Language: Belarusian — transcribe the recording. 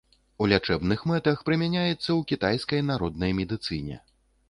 У лячэбных мэтах прымяняецца ў кітайскай народнай медыцыне.